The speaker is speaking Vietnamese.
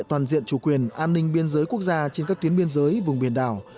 toàn diện chủ quyền an ninh biên giới quốc gia trên các tuyến biên giới vùng biển đảo